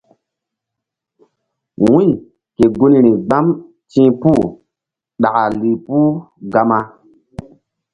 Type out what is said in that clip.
Wu̧y ke gunri gbam ti̧h puh ɗaka lih puh gama.